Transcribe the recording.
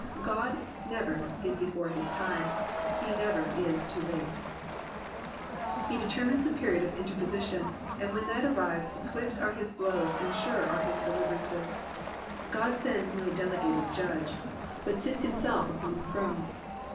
God never is before hia time, He is never too late.'* He determines the period of interposition, and when that arrives swift are his blows and sure are his deliverances. God sends no delegated judge, but sits himself upon the throne.